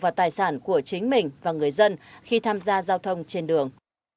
và tài sản của chính mình và người dân khi tham gia giao thông trên đường